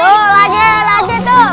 oh lagi lagi tuh